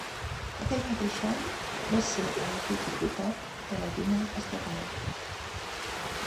Aquell mateix any, va ser elegit diputat de la Duma Estatal.